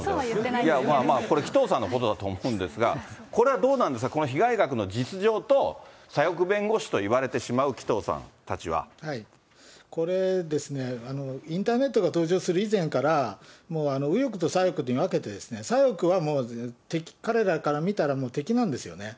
いやいや、これ、紀藤さんだと思うんですが、これはどうなんですか、この被害額の実情と、左翼弁護士と言われてしまう紀藤さこれですね、インターネットが登場する以前から、もう右翼と左翼に分けて、左翼はもう敵、彼らから見たらもう敵なんですよね。